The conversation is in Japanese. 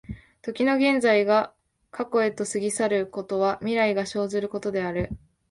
時の現在が過去へと過ぎ去ることは、未来が生ずることである。